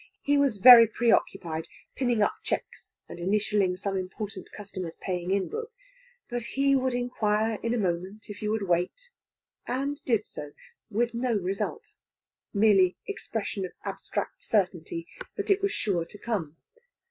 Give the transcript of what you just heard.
He was very preoccupied, pinning up cheques and initialling some important customer's paying in book. But he would inquire in a moment, if you would wait. And did so, with no result; merely expression of abstract certainty that it was sure to come.